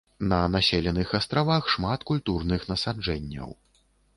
На населеных астравах шмат культурных насаджэнняў.